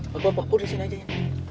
gak apa apa berdiri di sini aja ya